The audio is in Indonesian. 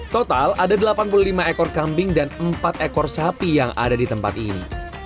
total ada delapan puluh lima ekor kambing dan empat ekor sapi yang ada di tempat ini